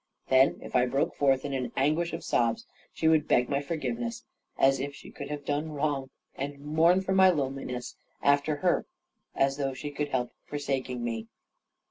Then, if I broke forth in an anguish of sobs, she would beg my forgiveness, as if she could have done wrong, and mourn for my loneliness after her, as though she could help forsaking me.